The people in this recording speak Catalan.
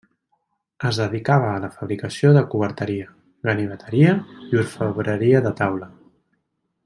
Es dedicava a la fabricació de coberteria, ganiveteria i orfebreria de taula.